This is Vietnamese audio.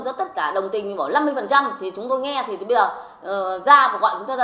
cho tất cả đồng tình bỏ năm mươi phần trăm thì chúng tôi nghe thì từ bây giờ ra và gọi chúng ta ra